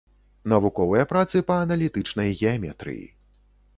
Навуковыя працы па аналітычнай геаметрыі.